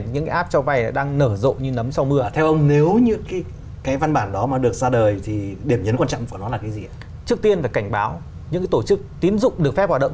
những cái tổ chức tiến dụng được phép hoạt động